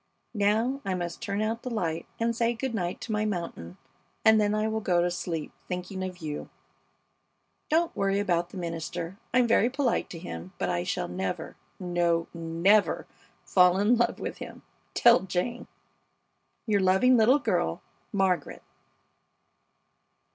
Now I must turn out the light and say good night to my mountain, and then I will go to sleep thinking of you. Don't worry about the minister. I'm very polite to him, but I shall never no, never fall in love with him tell Jane. Your loving little girl, MARGARET.